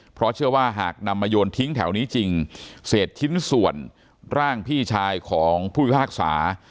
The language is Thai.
เพราะเชื่อว่าหากนำมาโยนทิ้งแถวนี้จริงเศษชิ้นส่วนร่างพี่ชายของผู้พิพากษา